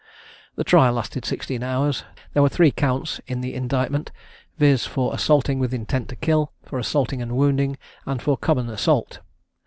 The trial lasted sixteen hours: there were three counts in the indictment; viz. for assaulting with intent to kill, for assaulting and wounding, and for a common assault.